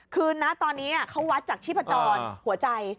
คือนะตอนนี้เขาวัดจากชีพจรหัวใจ